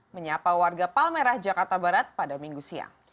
menyapa warga palmerah jakarta barat pada minggu siang